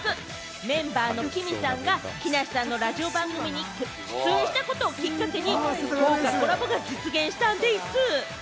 メンバーのＫＩＭＩさんが木梨さんのラジオ番組に出演したことをきっかけにこんな豪華コラボが実現したんでぃす！